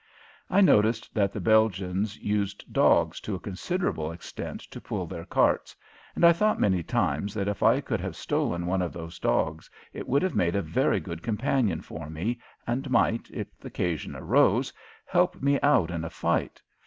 I noticed that the Belgians used dogs to a considerable extent to pull their carts, and I thought many times that if I could have stolen one of those dogs it would have made a very good companion for me, and might, if the occasion arose, help me out in a fight.